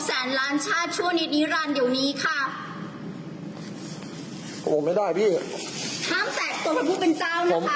แสนล้านชาติชั่วนิดนิรันดิ์เดี๋ยวนี้ค่ะโอ้ไม่ได้พี่ห้ามแตะตัวเป็นผู้เป็นเจ้าเลยค่ะ